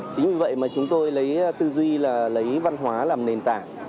chính vì vậy mà chúng tôi lấy tư duy là lấy văn hóa làm nền tảng